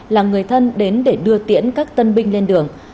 là người thân đến để đưa tiễn các tân binh lên đường